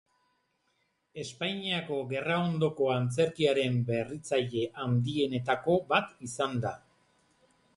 Espainiako gerraondoko antzerkiaren berritzaile handienetako bat izan da.